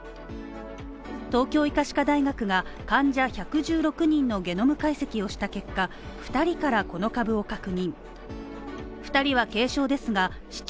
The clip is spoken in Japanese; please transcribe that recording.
東京医科歯科大学が患者１１６人のゲノム解析をした結果２人からこの株を確認。